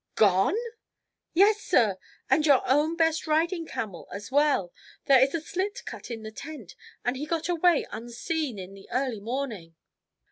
"Gone!" "Yes, sir, and your own best riding camel as well. There is a slit cut in the tent, and he got away unseen in the early morning."